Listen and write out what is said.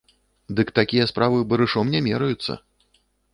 Дык такія справы барышом не мераюцца.